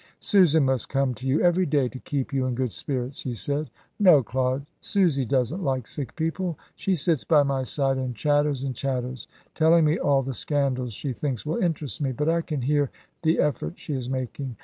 "Susan must come to you every day to keep you in good spirits," he said. "No, Claude, Susie doesn't like sick people. She sits by my side and chatters and chatters, telling me all the scandals she thinks will interest me; but I can hear the effort she is making.